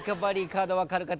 カード分かる方。